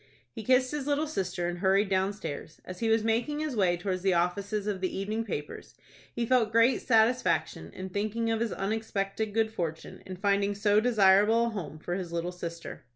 He kissed his little sister, and hurried downstairs. As he was making his way towards the offices of the evening papers, he felt great satisfaction in thinking of his unexpected good fortune in finding so desirable a home for his little sister.